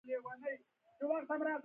پټ لیک واستاوه.